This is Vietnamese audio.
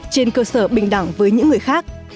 trên cơ sở bình đẳng với những người khác